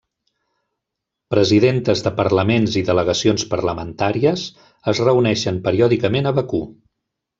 Presidentes de parlaments i delegacions parlamentàries es reuneixen periòdicament a Bakú.